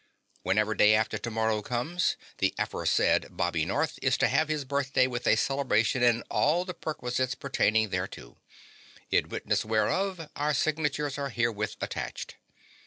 Whenever Day After Tomorrow comes, the aforesaid Bobby North is to have his birthday with a celebration and all the perquisites pertaining thereto. In witness whereof our signatures are herewith attached.